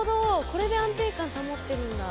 これで安定感保ってるんだ。